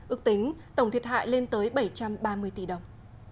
ước tính tổng thiệt hại lên tới bảy trăm ba mươi tỷ đồng